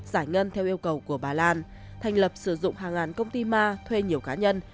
giải ngân theo yêu cầu của bà lan thành lập sử dụng hàng ngàn công ty ma thuê nhiều cá nhân